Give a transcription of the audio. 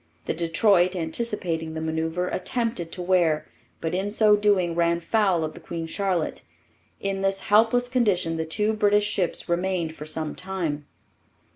The Detroit, anticipating the manoeuvre, attempted to wear, but in so doing ran foul of the Queen Charlotte. In this helpless condition the two British ships remained for some time.